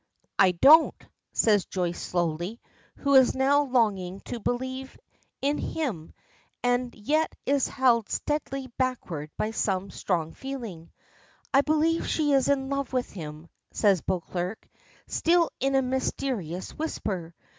"I don't," says Joyce slowly, who is now longing to believe in him, and yet is held steadily backward by some strong feeling. "I believe she is in love with him," says Beauclerk, still in a mysterious whisper.